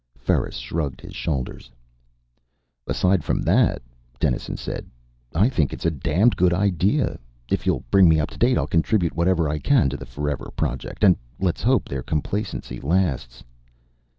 Ferris shrugged his shoulders. "Aside from that," Dennison said, "I think it's a damned good idea. If you'll bring me up to date, I'll contribute whatever I can to the Forever Project. And let's hope their complacency lasts."